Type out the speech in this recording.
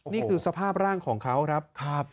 นี่คือสภาพร่างของเขาครับ